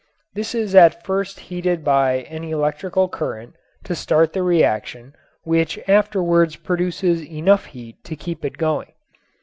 This is at first heated by an electrical current to start the reaction which afterwards produces enough heat to keep it going.